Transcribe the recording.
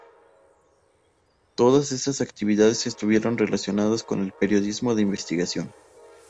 Todas estas actividades estuvieron relacionadas con el periodismo de investigación.